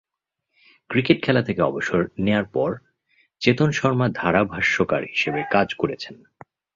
Cricket খেলা থেকে অবসর নেয়ার পর চেতন শর্মা ধারাভাষ্যকার হিসেবে কাজ করেছেন।